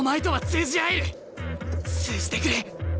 通じてくれ。